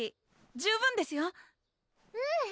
十分ですよううん